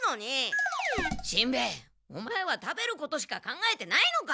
しんべヱオマエは食べることしか考えてないのか？